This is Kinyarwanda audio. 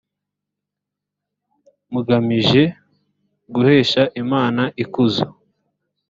mugamije guhesha imana ikuzo